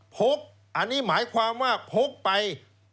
พกอันนี้หมายความว่าพกไป